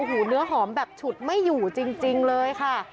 โอ้โหเนื้อหอมแบบฉุดไม่อยู่จริงเลยค่ะ